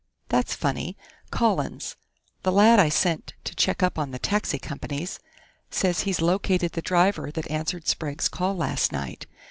"That's funny.... Collins the lad I sent to check up on the taxi companies says he's located the driver that answered Sprague's call last night.